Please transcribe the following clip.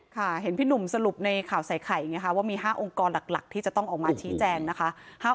ค่ะเห็นพี่หนุ่มสรุปในข่าวใส่ไข่ไงคะว่ามี๕องค์กรหลักที่จะต้องออกมาชี้แจงนะคะ